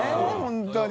本当に。